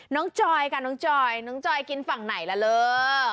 น้องจอยกันกันจอยกินฝั่งไหนละลูก